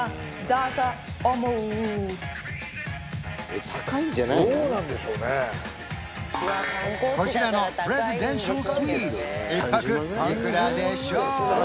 どうなんでしょうねこちらのプレジデンシャルスイート１泊いくらでしょうか？